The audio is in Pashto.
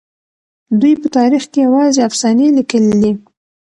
دوی په تاريخ کې يوازې افسانې ليکلي دي.